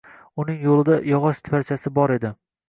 Uning yoʻlida yogʻoch parchasi bor edi